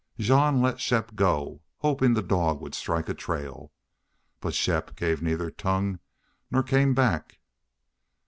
Jean let Shepp go, hoping the dog would strike a trail. But Shepp neither gave tongue nor came back.